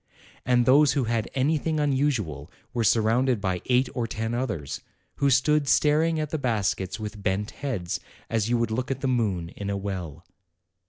And those who had anything unusual were surrounded by eight or ten others, who stood staring at the baskets with bent heads, as you would look at the moon in a well.